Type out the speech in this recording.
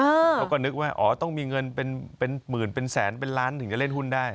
เขาก็นึกว่าอ๋อต้องมีเงินเป็นหมื่นเป็นแสนเป็นล้านถึงจะเล่นหุ้นได้